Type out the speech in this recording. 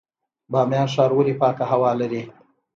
بامیان ښار ولې پاکه هوا لري؟